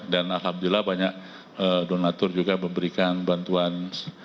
dan alhamdulillah banyak donatur juga memberikan bantuan